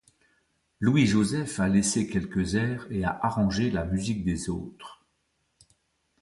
Louis-Joseph a laissé quelques airs et a arrangé la musique des autres.